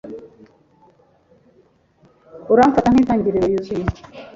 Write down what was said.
Uramfata nkintangiriro yuzuye?